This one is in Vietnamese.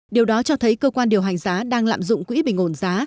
điều đó cho thấy cơ quan điều hành giá đang lạm dụng quỹ bình ổn giá